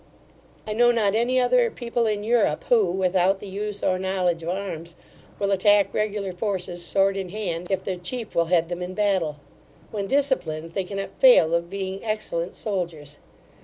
I know not any other people in Europe, who, without the use or knowledge of arms, will attack regular forces sword in hand, if their chief will head them in battle. When disciplined, they cannot fail of being excellent soldiers.